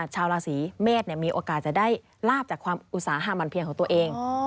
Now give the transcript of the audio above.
ชาวราศีเมษมีโอกาสจะได้ลาบจากความอุตสาหะมันเพียงของตัวเอง